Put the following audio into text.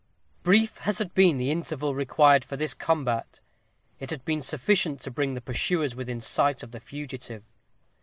Brief as had been the interval required for this combat, it had been sufficient to bring the pursuers within sight of the fugitive.